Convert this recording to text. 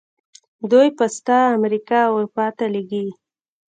دوی پسته امریکا او اروپا ته لیږي.